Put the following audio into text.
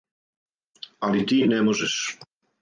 Али ти не можеш!